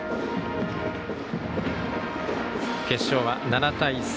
決勝は７対３。